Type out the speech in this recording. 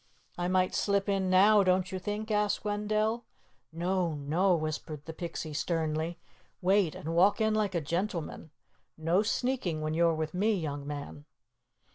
"I might slip in now, don't you think?" asked Wendell. "No, no!" whispered the Pixie sternly. "Wait and walk in like a gentleman. No sneaking when you're with me, young man."